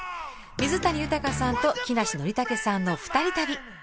水谷豊さんと木梨憲武さんの２人旅。